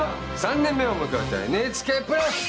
３年目を迎えたＮＨＫプラス！